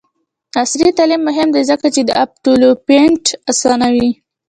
عصري تعلیم مهم دی ځکه چې د اپ ډیولپمنټ اسانوي.